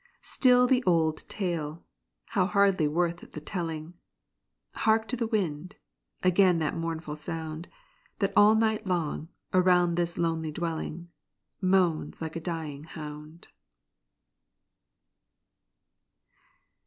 Still the old tale how hardly worth the telling! Hark to the wind! again that mournful sound, That all night long, around this lonely dwelling, Moans like a dying hound.